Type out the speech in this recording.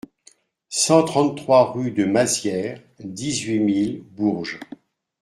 cent trente-trois rue de Mazières, dix-huit mille Bourges